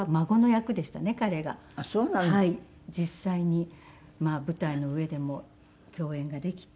実際に舞台の上でも共演ができて。